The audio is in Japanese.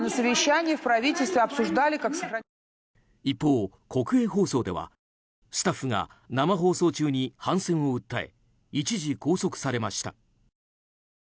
一方、国営放送ではスタッフが生放送中に反戦を訴え一時拘束されました。